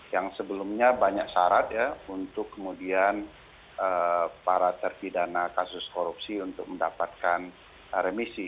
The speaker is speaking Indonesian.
yang sebelumnya banyak syarat ya untuk kemudian para terpidana kasus korupsi untuk mendapatkan remisi